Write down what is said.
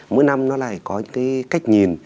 mỗi năm nó lại có những cái cách nhìn